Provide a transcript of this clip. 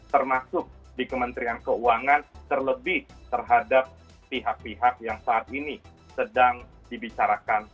termasuk di kementerian keuangan terlebih terhadap pihak pihak yang saat ini sedang dibicarakan